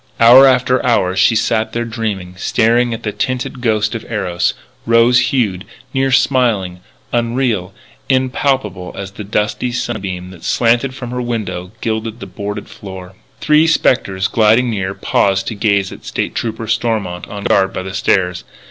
Hour after hour she sat there dreaming, staring at the tinted ghost of Eros, rose hued, near smiling, unreal, impalpable as the dusty sunbeam that slanted from her window, gilding the boarded floor. Three spectres, gliding near, paused to gaze at State Trooper Stormont, on guard by the stairs.